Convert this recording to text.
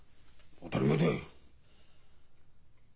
当たり前だ。